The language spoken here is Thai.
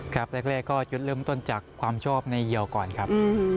ครับแรกก็จุดเริ่มต้นจากความชอบในเยียวก่อนครับ